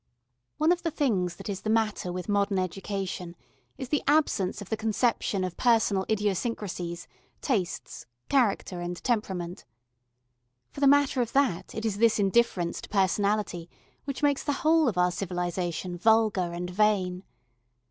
One of the things that is the matter with modern education is the absence of the conception of personal idiosyncrasies, tastes, character and temperament. For the matter of that it is this indifference to personality which makes the whole of our civilisation vulgar and vain.